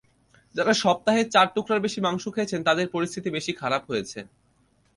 যাঁরা সপ্তাহে চার টুকরার বেশি মাংস খেয়েছেন, তাঁদের পরিস্থিতি বেশি খারাপ হয়েছে।